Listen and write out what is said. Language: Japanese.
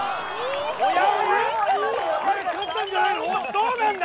どうなんだ？